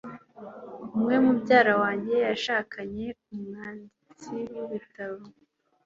Umwe mubyara wanjye yashakanye numwanditsi w'ibitabo.